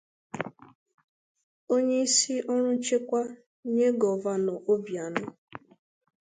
onyeisi ọrụ nchekwa nye Gọvanọ Obianọ